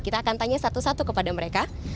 kita akan tanya satu satu kepada mereka